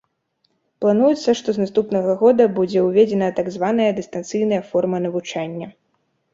Плануецца, што з наступнага года будзе ўведзена так званая дыстанцыйная форма навучання.